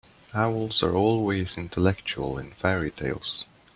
Owls are always intellectual in fairy-tales.